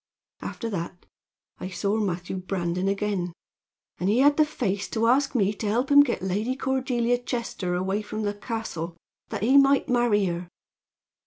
After that I saw Matthew Brandon again, and he had the face to ask me to help him get Lady Cordelia Chester away from the castle, that he might marry her.